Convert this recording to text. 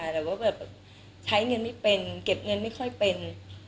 แต่ว่าแบบใช้เงินไม่เป็นเก็บเงินไม่ค่อยเป็น